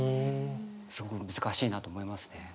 すごく難しいなと思いますね。